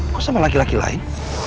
kok sama laki laki lain